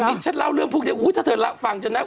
เด็กเด็กฉันเล่าเรื่องพวกเด็กอุ้ยถ้าเธอฟังฉันน่ะ